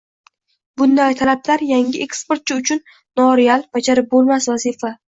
— bunday talablar yangi eksportchi uchun noreal, bajarib bo‘lmas vazifa.